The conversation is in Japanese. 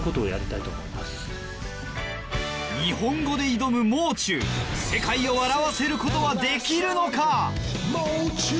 日本語で挑むもう中世界を笑わせることはできるのか？